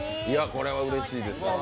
これはうれしいですね。